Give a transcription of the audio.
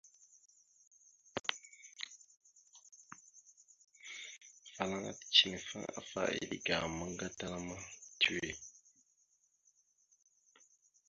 Afalaŋa ticənefaŋ afa eɗe ga ammaŋ gatala ma titəwe.